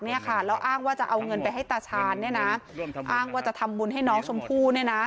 แล้วอ้างว่าจะเอาเงินไปให้ตาชาญอ้างว่าจะทำบุญให้น้องชมพู่